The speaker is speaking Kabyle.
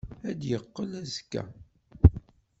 Ad d-yeqqel azekka.